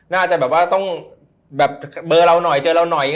น่าจะแบบว่าต้องแบบเบอร์เราหน่อยเจอเราหน่อย